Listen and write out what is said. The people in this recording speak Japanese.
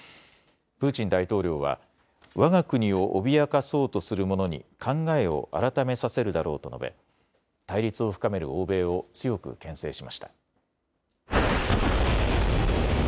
プーチン大統領はわが国を脅かそうとする者に考えを改めさせるだろうと述べ、対立を深める欧米を強くけん制しました。